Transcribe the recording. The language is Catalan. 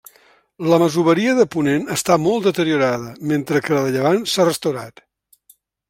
La masoveria de ponent està molt deteriorada, mentre que la de llevant s'ha restaurat.